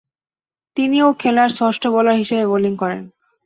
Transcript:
তিনি ও খেলার ষষ্ঠ বোলার হিসেবে বোলিং করেন।